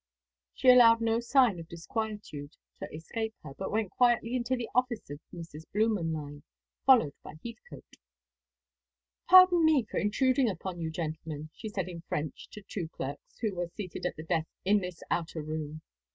She allowed no sign of disquietude to escape her, but went quietly into the office of Messrs. Blümenlein, followed by Heathcote. "Pardon me for intruding upon you, gentlemen," she said in French to the two clerks who were seated at a desk in this outer room.